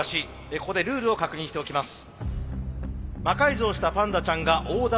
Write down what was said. ここでルールを確認しておきます。